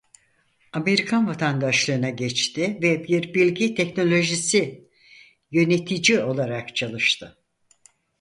Amerikan vatandaşlığına geçti ve bir bilgi teknolojisi yönetici olarak çalıştı.